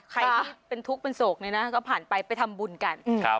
ใครที่เป็นทุกข์เป็นโศกเนี่ยนะก็ผ่านไปไปทำบุญกัน